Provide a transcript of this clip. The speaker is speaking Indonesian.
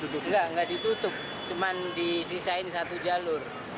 tidak ditutup cuma disisain satu jalur